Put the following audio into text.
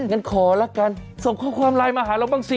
งั้นขอละกันส่งข้อความไลน์มาหาเราบ้างสิ